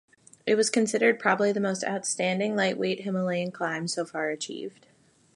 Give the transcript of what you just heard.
It was considered "probably the most outstanding lightweight Himalayan climb so far achieved".